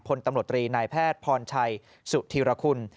พลตำรวจตรีนายแพทย์พรชัยสุธีรคุณ